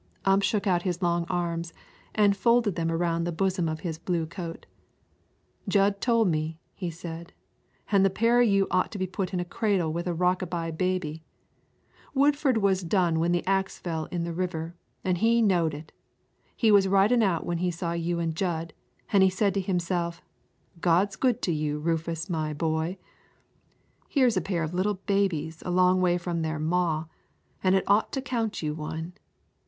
Ump shook out his long arms and folded them around the bosom of his blue coat. "Jud told me," he said; "an' the pair of you ought to be put in a cradle with a rock a by baby. Woodford was done when that axe fell in the river, an' he knowed it. He was ridin' out when he saw you an' Jud, an' he said to himself, 'God's good to you, Rufus, my boy; here's a pair of little babies a long way from their ma, an' it ought to count you one.'